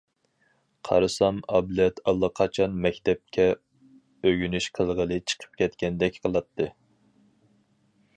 قارىسام ئابلەت ئاللىقاچان مەكتەپكە ئۆگىنىش قىلغىلى چىقىپ كەتكەندەك قىلاتتى.